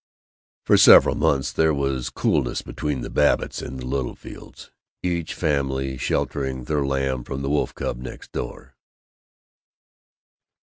For several months there was coolness between the Babbitts and the Littlefields, each family sheltering their lamb from the wolf cub next door.